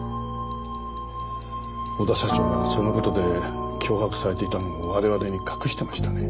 小田社長はその事で脅迫されていたのを我々に隠していましたね。